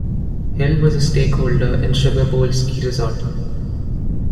Hill was a stakeholder in Sugar Bowl Ski Resort.